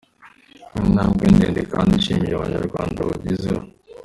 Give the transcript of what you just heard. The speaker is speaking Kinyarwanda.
Iyi ni intambwe ndende kandi ishimishije abanyarwanda bagezeho”.